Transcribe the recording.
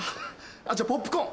じゃあポップコーン。